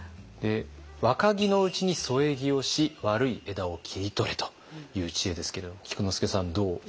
「若木のうちに添え木をし悪い枝を切り取れ」という知恵ですけれども菊之助さんどうお聞きになりました？